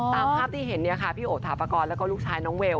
ตามภาพที่เห็นเนี่ยค่ะพี่โอถาปกรณ์แล้วก็ลูกชายน้องเวล